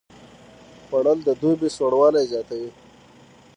خوړل د دوبي سوړوالی زیاتوي